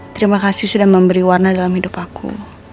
terima kasih sudah memberi warna dalam hidup aku